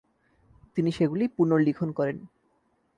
তিনি সেগুলি পুনর্লিখন করেন।